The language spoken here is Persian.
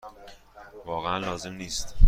واقعا لازم نیست.